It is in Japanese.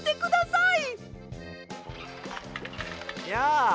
やあ！